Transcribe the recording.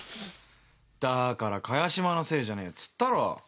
だから萱島のせいじゃねえっつったろ。